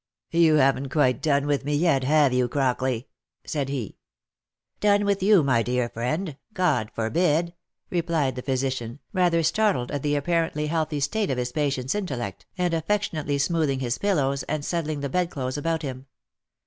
" You haven't quite done with me yet, have you, Crockley ?" said he. " Done with you, my dear friend? God forbid !" replied the phy sician, rather startled at the apparently healthy state of his patient's intellect, and affectionately smoothing his pillows, and settling the "bedclothes about him.